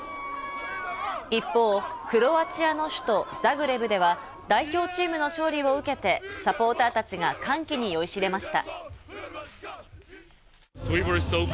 一方、クロアチアの首都・ザグレブでは代表チームの勝利を受けてサポーターたちが歓喜に酔いしれました。